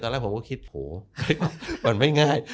ตอนแรกผมก็คิดโหมันไม่ง่าย